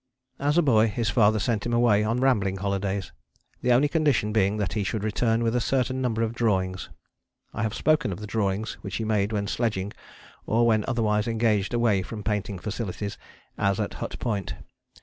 As a boy his father sent him away on rambling holidays, the only condition being that he should return with a certain number of drawings. I have spoken of the drawings which he made when sledging or when otherwise engaged away from painting facilities, as at Hut Point.